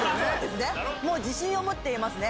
自信を持って言えますね。